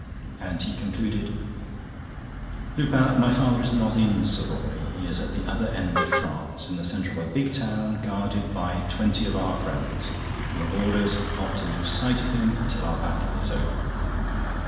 And he concluded: "Lupin, my father is not in Savoy. He is at the other end of France, in the centre of a big town, guarded by twenty of our friends, who have orders not to lose sight of him until our battle is over.